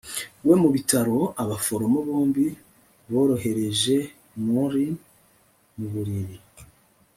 we mu bitaro, abaforomo bombi borohereje maureen mu buriri